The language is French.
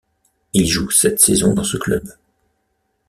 Il joue sept saisons dans ce club.